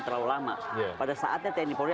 terlalu lama pada saatnya tni polri